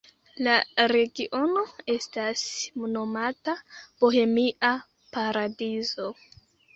La regiono estas nomata Bohemia Paradizo.